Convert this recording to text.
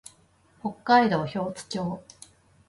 北海道標津町